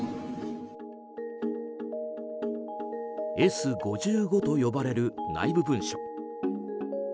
Ｓ‐５５と呼ばれる内部文書。